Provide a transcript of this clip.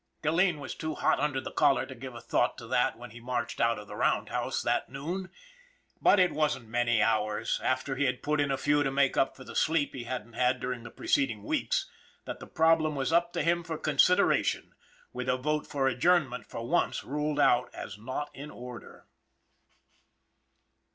Gilleen was too hot under the collar to give a thought to that when he marched out of the round house that noon; but it wasn't many hours, after he had put in a few to make up for the sleep he hadn't had during the preceding weeks, that the problem was up to him for consideration with a vote for adjournment for once ruled out as not in order.